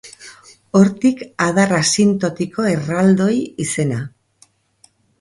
Hortik adar asintotiko erraldoi izena.